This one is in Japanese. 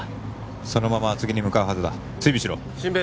そのまま厚木に向かうはずだ追尾しろシンペン